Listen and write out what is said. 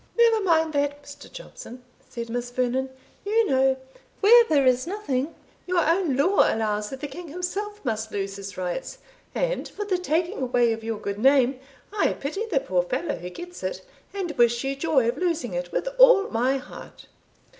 "Never mind that, Mr. Jobson," said Miss Vernon; "you know, where there is nothing, your own law allows that the king himself must lose his rights; and for the taking away of your good name, I pity the poor fellow who gets it, and wish you joy of losing it with all my heart."